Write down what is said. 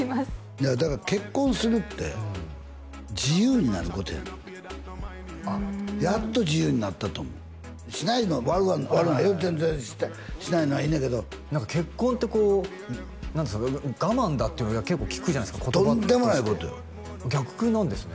いやだから結婚するって自由になることやねんうんやっと自由になったと思うしないの悪ないよ全然しないのはいいんだけど結婚ってこう我慢だっていうの結構聞くじゃないですかとんでもないことよ逆なんですね